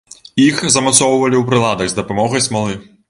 Іх замацоўвалі ў прыладах з дапамогай смалы.